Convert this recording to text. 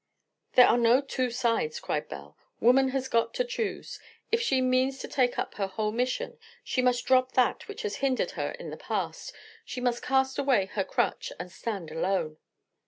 "There are no two sides," cried Belle. "Woman has got to choose. If she means to take up her whole mission, she must drop that which has hindered her in the past; she must cast away her crutch and stand alone."